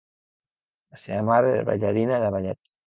La seva mare era ballarina de ballet.